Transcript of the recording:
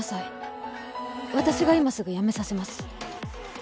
私が今すぐやめさせます